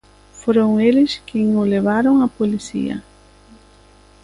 Foron eles quen o levaron á Policía.